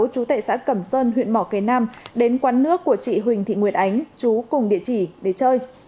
chú tệ xã cẩm sơn huyện mỏ cầy nam đến quán nước của chị huỳnh thị nguyệt ánh chú cùng địa chỉ để chơi